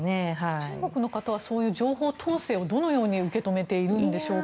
中国の方はそういった情報統制をどのように受け止めているんでしょうか。